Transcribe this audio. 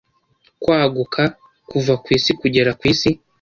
Kwaguka kuva kwisi kugera kwisi.